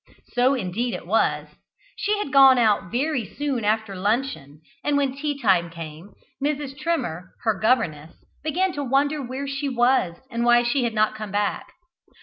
So indeed it was. She had gone out very soon after luncheon, and when tea time came, Mrs. Trimmer, her governess, began to wonder where she was, and why she had not come back.